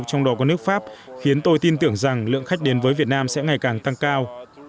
trong đó có nước pháp khiến tôi tin tưởng rằng lượng khách đến với việt nam sẽ ngày càng tăng cao